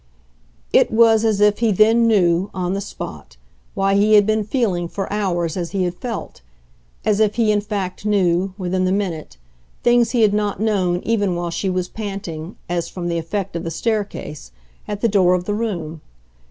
It was as if he then knew, on the spot, why he had been feeling, for hours, as he had felt as if he in fact knew, within the minute, things he had not known even while she was panting, as from the effect of the staircase, at the door of the room.